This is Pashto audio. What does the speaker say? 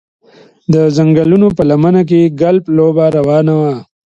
د ځنګلونو په لمنه کې ګلف لوبه روانه وه